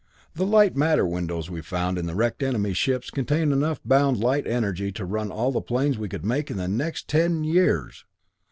"The light matter windows we found in the wrecked enemy ships contain enough bound light energy to run all the planes we could make in the next ten years!